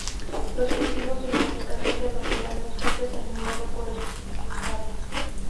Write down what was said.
Los cultivos y la ubicación de los rebaños es determinado por el clima local.